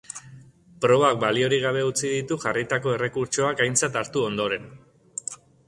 Probak baliorik gabe utzi ditu jarritako errekurtsoak aintzat hartu ondoren.